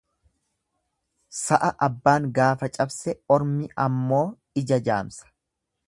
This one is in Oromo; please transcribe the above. Sa'a abbaan gaafa cabse ormi ammoo ija jaamsa.